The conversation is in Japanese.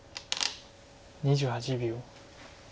２８秒。